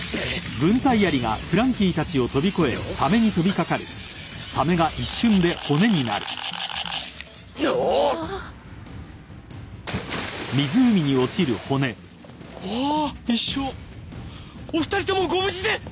アァ一緒お二人ともご無事で！